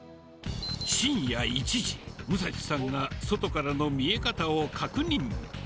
深夜１時、武蔵さんが外からの見え方を確認。